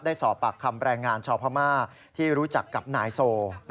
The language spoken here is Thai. ได้สอบปากคำแรงงานชาวพม่าที่รู้จักกับนายโซ